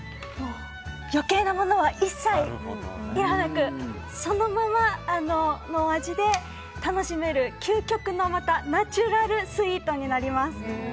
余計なものは一切なくそのままの味で楽しめる究極のナチュラルスイーツになります。